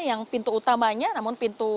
yang pintu utamanya namun pintu